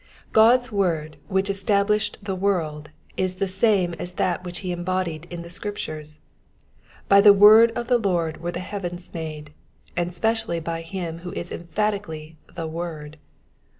God*8 word which established the world is the same as that whicb he has embodied in the Scriptnres ; by the word of the Lord were the heavens made, and specially by him who is emphatically ths wosn.